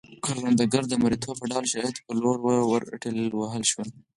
کروندګر د مریتوب ډوله شرایطو په لور ورټېل وهل شول.